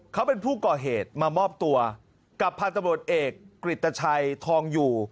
เขาเป็นผู้ก่อเหตุมามอบตัวกับพันธบทเอกกริตชัยทองอยู่